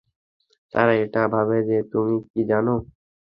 তারা এটা ভাবে যে, তুমি কিছু জানো।